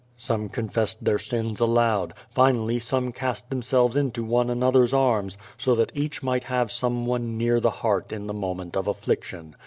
*' Some confessed their sins aloud; finally some cast themselves into one another's arms, so that each might have some one near the heart in the moment of affliction.